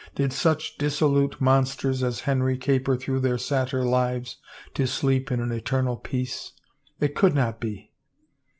Did such disso lute monsters as Henry caper through their satyr lives to sleep in an eternal peace? It could not be!